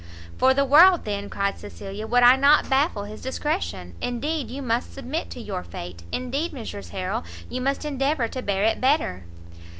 "For the world, then," cried Cecilia, "would I not baffle his discretion! indeed you must submit to your fate, indeed Mrs Harrel you must endeavour to bear it better."